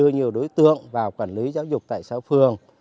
đưa nhiều đối tượng vào quản lý giáo dục tại xã phường